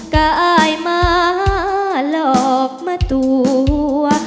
กะอายมะหลอกปะตัว